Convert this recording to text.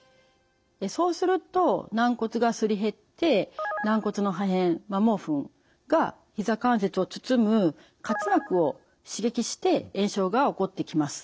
そうすると軟骨がすり減って軟骨の破片摩耗粉がひざ関節を包む滑膜を刺激して炎症が起こってきます。